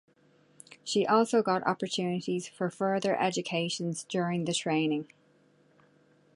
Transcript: She also got opportunities for further educations during the training.